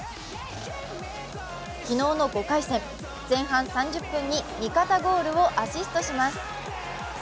昨日の５回戦、前半３０分に味方ゴールをアシストします。